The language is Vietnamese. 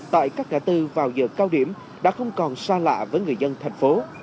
tại các ngã tư vào giờ cao điểm đã không còn xa lạ với người dân thành phố